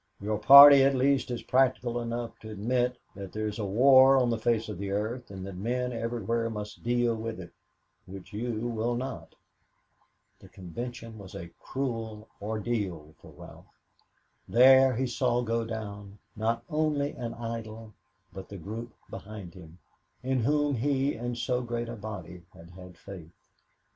Your party at least is practical enough to admit that there is war on the face of the earth, and that men everywhere must deal with it, which you will not." The convention was a cruel ordeal for Ralph. There he saw go down not only an idol, but the group behind him, in whom he and so great a body had had faith.